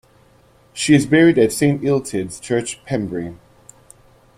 She is buried at Saint Illtyds Church, Pembrey.